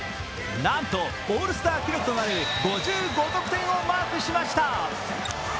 なんとオールスター記録となる５５得点をマークしました。